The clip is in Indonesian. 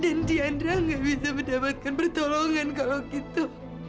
dan tiandra gak bisa mendapatkan pertolongan kalau gitu